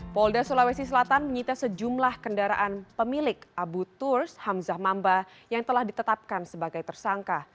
polda sulawesi selatan menyita sejumlah kendaraan pemilik abu turs hamzah mamba yang telah ditetapkan sebagai tersangka